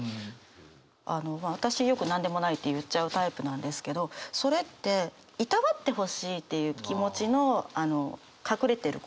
あの私よくなんでもないって言っちゃうタイプなんですけどそれっていたわって欲しいっていう気持ちの隠れてる言葉。